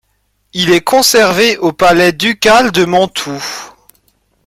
Il est conservé au palais ducal de Mantoue.